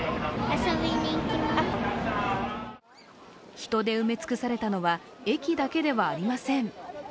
人で埋め尽くされたのは駅だけではありません。